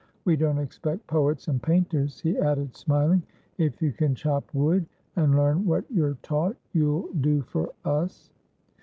We don't expect poets and painters," he added, smiling. "If you can chop wood, and learn what you're taught, you'll do for us."